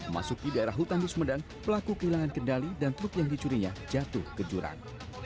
masuk di daerah hutan di sumedang pelaku kehilangan kendali dan truk yang dicurinya jatuh ke jurang